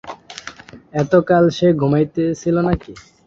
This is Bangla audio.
এতকাল সে ঘুমাইতেছিল নাকি?